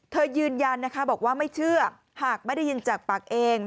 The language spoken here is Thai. ยืนยันนะคะบอกว่าไม่เชื่อหากไม่ได้ยินจากปากเอง